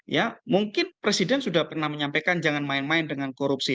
ya mungkin presiden sudah pernah menyampaikan jangan main main dengan korupsi